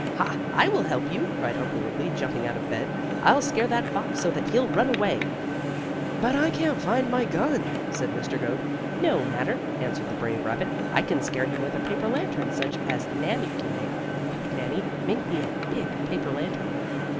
"Ha! I will help you!" cried Uncle Wiggily jumping out of bed. "I'll scare that fox so that he'll run away." "But I can't find my gun," said Mr. Goat. "No matter," answered the brave rabbit. "I can scare him with a paper lantern such as Nannie can make. Quick, Nannie, make me a big paper lantern."